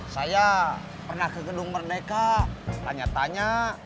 saya pernah ke gedung merdeka tanya tanya